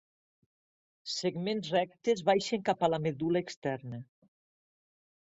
Segments rectes baixen cap a la medul·la externa.